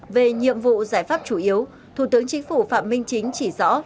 về nhiệm vụ giải pháp chủ yếu thủ tướng chính phủ phạm minh chính chỉ rõ